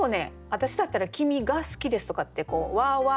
私だったら「きみがすきです」とかって「は」「は」